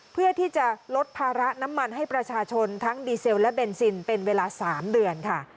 เพื่อที่จะลดภาระน้ำมันให้ประชาชนทั้งดีเซลและเบนซินเป็นเวลา๓เดือนค่ะ